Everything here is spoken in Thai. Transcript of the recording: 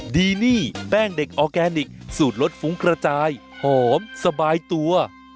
ดีนี่แป้งเด็กออร์แกนิคสูตรรสฟุ้งกระจายหอมสบายตัว